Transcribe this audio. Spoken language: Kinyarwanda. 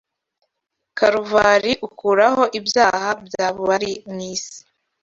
Kaluvari ukuraho ibyaha by’abari mu isi.